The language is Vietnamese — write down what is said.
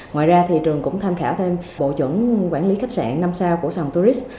ngoài ra thì trường cũng tham khảo thêm bộ chủng quản lý khách sạn năm sao của sài gòn tourist